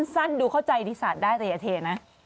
สั้นดูเข้าใจดีศาสตร์ได้แต่อย่าเทนะ